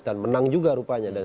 dan menang juga rupanya